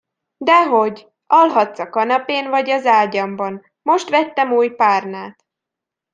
Dehogy, alhatsz a kanapén, vagy az ágyamban, most vettem új párnát.